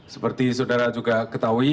seperti saudara juga ketahui